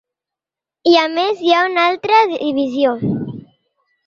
I a més, hi ha una altra divisió.